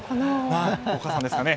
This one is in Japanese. お母さんですかね。